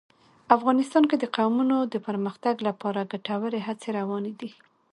افغانستان کې د قومونه د پرمختګ لپاره ګټورې هڅې روانې دي.